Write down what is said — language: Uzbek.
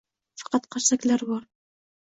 Faqat qarsaklar bor